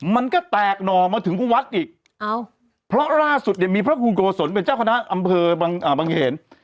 มันก็แตกหน่อมาถึงวัดอีกเพราะล่าสุดเนี่ยมีพระครูโกศลเป็นเจ้าคณะอำเภอบางเขน